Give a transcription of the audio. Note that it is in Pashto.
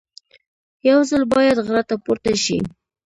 یو ځل بیا غره ته پورته شي.